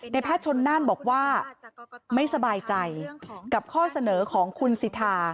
แพทย์ชนน่านบอกว่าไม่สบายใจกับข้อเสนอของคุณสิทธา